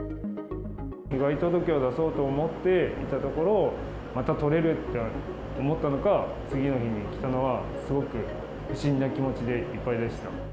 被害届を出そうと思っていたところ、またとれると思ったのか、次の日に来たのは、すごく不審な気持ちでいっぱいでした。